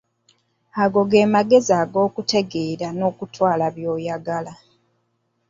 Ago ge magezi ag'okutegeera n'okukwata by'oyiga.